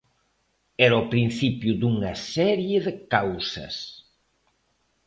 Era o principio dunha serie de causas.